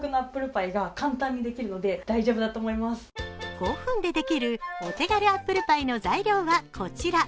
５分でできるお手軽アップルパイの材料はこちら。